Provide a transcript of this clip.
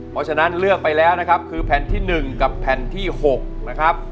เพราะฉะนั้นเลือกไปแล้วนะครับคือแผ่นที่๑กับแผ่นที่๖นะครับ